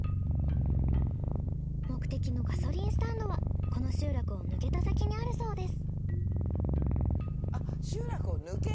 目的のガソリンスタンドはこの集落を抜けた先にあるそうです。